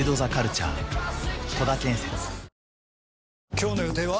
今日の予定は？